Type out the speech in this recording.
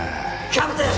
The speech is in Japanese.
キャプテン！